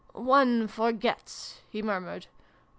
" One forgets," he murmured.